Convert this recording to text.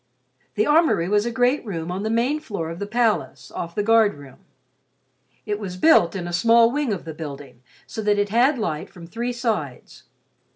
The armory was a great room on the main floor of the palace, off the guard room. It was built in a small wing of the building so that it had light from three sides.